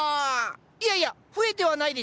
いやいや増えてはないですよ？